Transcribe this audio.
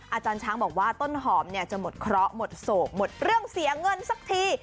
อาจารย์ช้างบอกว่าต้นหอมเนี่ยจะหมดเคราะห์หมดโศกหมดเรื่องเสียเงินสักที